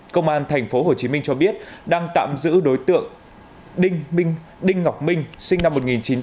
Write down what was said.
công an tp hcm cho biết đang tạm giữ đối tượng đinh ngọc minh sinh năm một nghìn chín trăm tám mươi